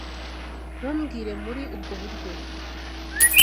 Ntumbwire muri ubwo buryo.